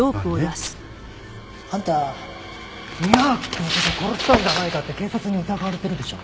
宮脇って男殺したんじゃないかって警察に疑われてるでしょ？